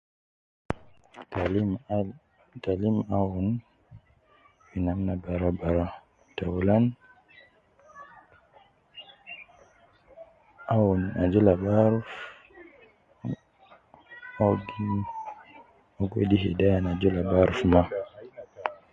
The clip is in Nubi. Taalim alim, taalim awunu fi namna baraa baraa taulan, awun ajol ab aruf, uwo gi ,uwo gi wedi hidaya ne ajol ab aruf mma